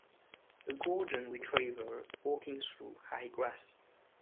A golden retriever walking through high grass.